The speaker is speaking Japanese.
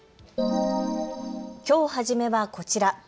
きょう初めはこちら。